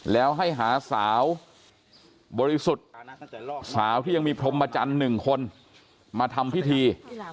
แล้วให้หาสาวบริสุทธิ์สาวที่ยังมีพรมจันทร์๑คนมาทำพิธี